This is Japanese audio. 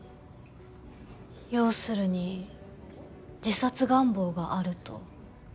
要するに自殺願望があると。